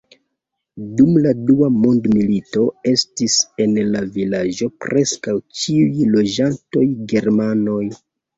Dum la dua mondmilito estis en la vilaĝo preskaŭ ĉiuj loĝantoj germanoj.